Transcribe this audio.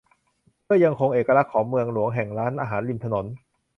เพื่อยังคงเอกลักษณ์ของเมืองหลวงแห่งร้านอาหารริมถนน